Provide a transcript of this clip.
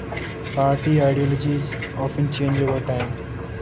Party ideologies often change over time.